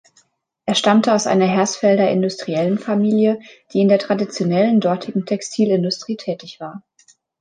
Er stammte aus einer Hersfelder Industriellenfamilie, die in der traditionellen dortigen Textilindustrie tätig war.